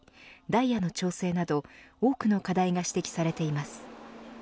ダイヤの調整など多くの課題が指摘されています。